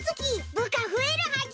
部下増えるはぎ。